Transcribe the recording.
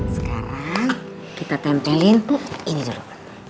sekarang kita tempelin buk ini dulu